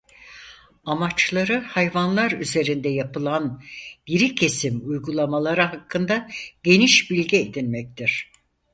Amaçları hayvanlar üzerinde yapılan dirikesim uygulamaları hakkında geniş bilgi edinmektir.